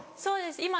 そうです